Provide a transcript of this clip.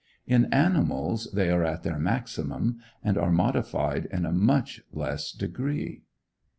In animals they are at their maximum, and are modified in a much less degree.